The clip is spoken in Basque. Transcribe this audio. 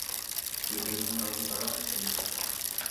Zuri-beltzean grabatuta dago pelikula.